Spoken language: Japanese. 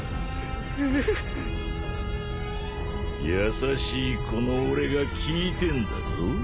優しいこの俺が聞いてんだぞ。